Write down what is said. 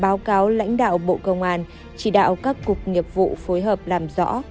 báo cáo lãnh đạo bộ công an chỉ đạo các cục nghiệp vụ phối hợp làm rõ